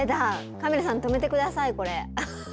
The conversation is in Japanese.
カメラさん止めて下さいこれ。